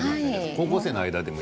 高校生の間でも？